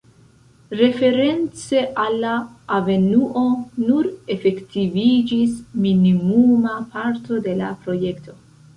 Reference al la avenuo, nur efektiviĝis minimuma parto de la projekto.